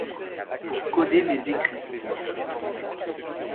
Pour coder mes écrits.